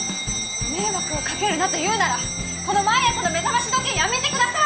迷惑をかけるなと言うならこの毎朝の目覚まし時計やめてください！